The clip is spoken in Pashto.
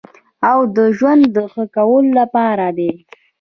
او د ژوند د ښه کولو لپاره دی.